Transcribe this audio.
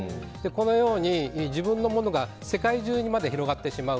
このように自分のものが世界中にまで広がってしまう。